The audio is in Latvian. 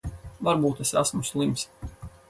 Varbūt es esmu slims.